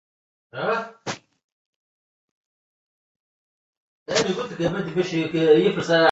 طلب البقاء بكل فأل صالح